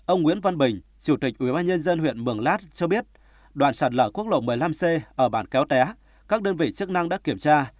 ông nguyễn văn bình chủ tịch ubnd huyện mường lát cho biết đoạn sạt lở quốc lộ một mươi năm c ở bản kéo té các đơn vị chức năng đã kiểm tra